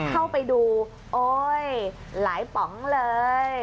เข้าไปดูโอ๊ยหลายป๋องเลย